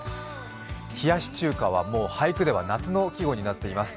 冷やし中華は、もう俳句では夏の季語になっています。